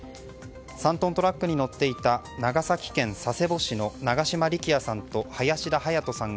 ３トントラックに乗っていた長崎県佐世保市の長島力也さんと林田隼斗さん